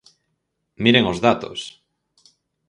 ¡Miren os datos!